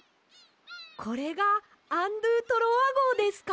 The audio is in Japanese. これがアン・ドゥ・トロワごうですか？